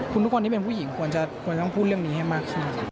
คุณทุกคนที่เป็นผู้หญิงควรจะต้องพูดเรื่องนี้ให้มากขึ้น